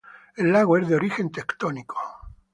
El lago es de origen tectónico.